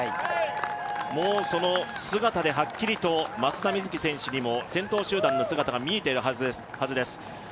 もうその姿ではっきりと松田瑞生選手にも先頭集団の姿が見えているはずです。